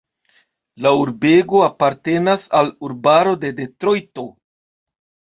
La urbego apartenas al urbaro de Detrojto.